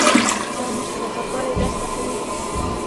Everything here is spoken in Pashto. اسلام موږ ته د پاکوالي درس راکوي.